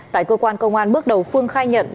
tại cơ quan công an bước đầu phương khai nhận